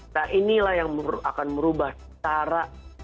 nah inilah yang akan merubah cara